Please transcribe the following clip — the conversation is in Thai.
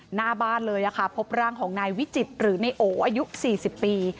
หน้าบ้านเลยค่ะพบร่างของนายวิจิตรหรือในโออายุ๔๐ปี